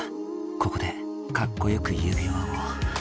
ここでカッコよく指輪を」